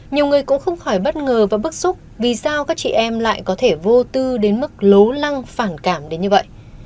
nhiều người cũng không khỏi bất ngờ và bức xúc vì sao các chị em lại có thể vô tư đến mức lố lăng phản cảm đến như vậy